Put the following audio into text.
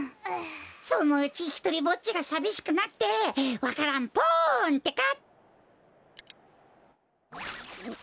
そのうちひとりぼっちがさびしくなってわか蘭ポンってか！